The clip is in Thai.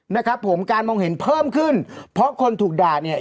นะครับผมการมองเห็นเพิ่มขึ้นเพราะคนถูกด่าเนี่ย